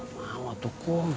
gak mau tuh kum